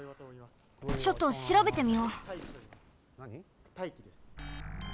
ちょっとしらべてみよう。